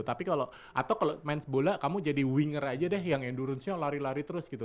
tapi kalau atau kalau main bola kamu jadi winger aja deh yang endurance nya lari lari terus gitu